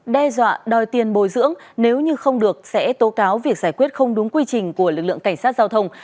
đe dọa đòi tiền bồi dưỡng nếu như không được sẽ tố cáo việc giải quyết không đúng quy trình của lực lượng cảnh sát giao thông